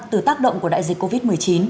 từ tác động của đại dịch covid một mươi chín